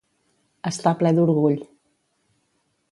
Estar ple d'orgull.